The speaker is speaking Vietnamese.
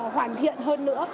hoàn thiện hơn nữa